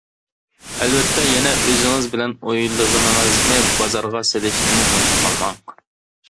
ئەلۋەتتە، يەنە ئۆزىڭىز بىلەن ئويلىغىنىڭىزنى بازارغا سېلىشنىمۇ ئۇنتۇپ قالماڭ.